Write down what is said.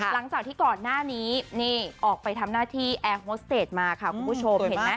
หลังจากที่ก่อนหน้านี้นี่ออกไปทำหน้าที่แอร์โฮสเตจมาค่ะคุณผู้ชมเห็นไหม